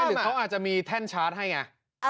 หรือเขาอาจจะมีแท่นชาร์จให้ไง